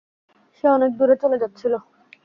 সে অনেক দূরে চলে যাচ্ছিল।